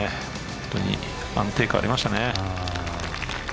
本当に安定感ありましたね。